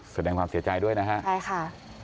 แสดงความเสียใจด้วยนะฮะใช่ค่ะ